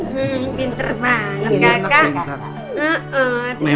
pinter banget kakak